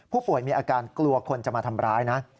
ผู้ป่วยมีอาการกลัวคนจะมาทำร้ายนะ